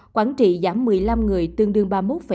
quảng trị giảm một mươi năm người tương đương ba mươi một